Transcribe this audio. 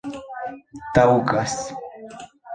taŭgas